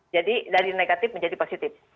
jadi dari negatif menjadi positif